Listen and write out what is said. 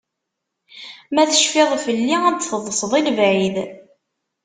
Ma tecfiḍ felli, ad d-teḍseḍ i lebɛid.